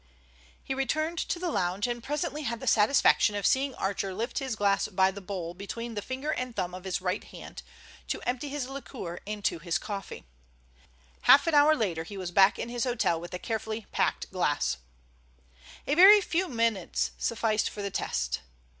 He returned to the lounge, and presently had the satisfaction of seeing Archer lift his glass by the bowl between the finger and thumb of his right hand, to empty his liqueur into his coffee. Hall an hour later he was back in his hotel with the carefully packed glass. A very few minutes sufficed for the test.